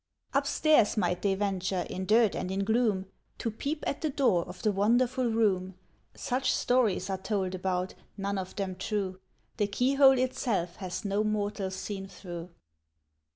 Upstairs might they venture, in dirt and in gloom, To peep at the door of the wonderful room Such stories are told about, none of them true! The keyhole itself has no mortal seen through.